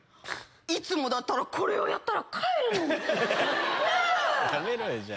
いつもだったらこれをやったら帰るのに。